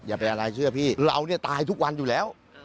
อย่าไปอะไรเชื่อพี่เราตายทุกวันอยู่แล้ว